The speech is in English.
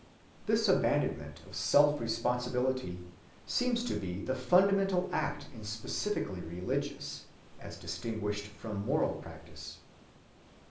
This abandonment of self‐responsibility seems to be the fundamental act in specifically religious, as distinguished from moral practice.